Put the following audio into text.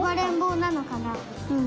うん。